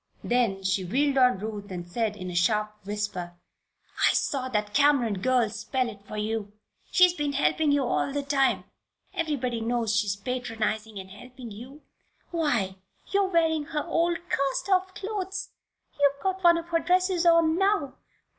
Then she wheeled on Ruth and said, in a sharp whisper: "I saw that Cameron girl spell it for you! She's been helping you all the time! Everybody knows she's patronizing and helping you. Why, you're wearing her old, cast off clothes. You've got one of her dresses on now!